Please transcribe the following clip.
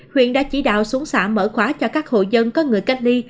huyện đã chỉ đạo xuống xã mở khóa cho các hộ dân có người cách ly